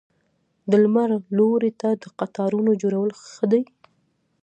د لمر لوري ته د قطارونو جوړول ښه دي؟